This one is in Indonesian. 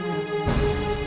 aku mau ke sana